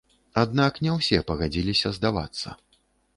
Аднак не ўсе пагадзіліся здавацца.